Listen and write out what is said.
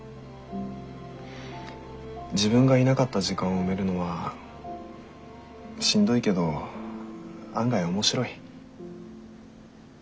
自分がいなかった時間を埋めるのはしんどいけど案外面白い。